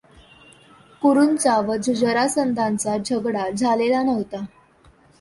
कुरूंचा व जरासंधाचा झगडा झालेला नव्हता.